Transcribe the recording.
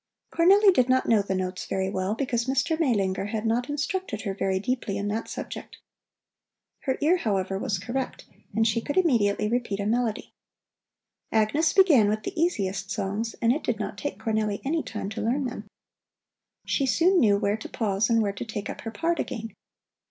Cornelli did not know the notes very well, because Mr. Maelinger had not instructed her very deeply in that subject. Her ear, however, was correct, and she could immediately repeat a melody. Agnes began with the easiest songs, and it did not take Cornelli any time to learn them. She soon knew where to pause and where to take up her part again.